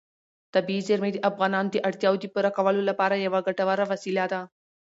طبیعي زیرمې د افغانانو د اړتیاوو د پوره کولو لپاره یوه ګټوره وسیله ده.